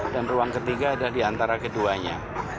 dan ruang ketiga adalah di antara keduanya